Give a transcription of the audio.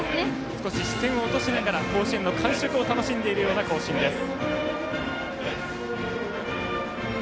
少し視線を落としながら甲子園の感触を楽しんでいる行進です。